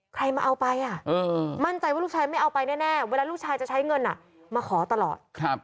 ใครมาเอาไปมั่นใจว่าลูกชายไม่เอาไปแน่เวลาลูกชายจะใช้เงินมาขอตลอด